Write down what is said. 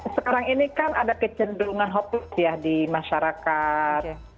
sekarang ini kan ada kecenderungan hopus ya di masyarakat